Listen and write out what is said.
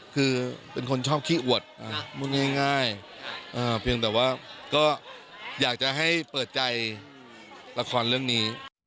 คือเป็นคนชอบขี้อวดพูดง่ายเพียงแต่ว่าก็อยากจะให้เปิดใจละครเรื่องนี้